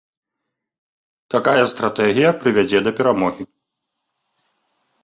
Такая стратэгія прывядзе да перамогі.